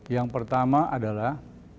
yang pertama adalah